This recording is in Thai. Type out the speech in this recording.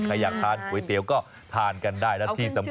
อยากทานก๋วยเตี๋ยวก็ทานกันได้และที่สำคัญ